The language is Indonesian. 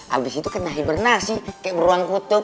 abis itu kena hibernasi kaya buruan kutub